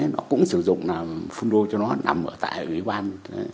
nó cũng sử dụng phun rô cho nó nằm tại ủy ban